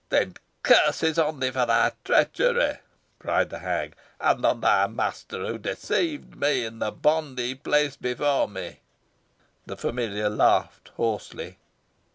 "Then curses on thee for thy treachery," cried the hag, "and on thy master, who deceived me in the bond he placed before me." The familiar laughed hoarsely.